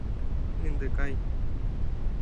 Ынде кай.